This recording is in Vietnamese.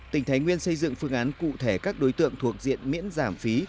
tỉnh thái nguyên xây dựng phương án cụ thể các đối tượng thuộc diện miễn giảm phí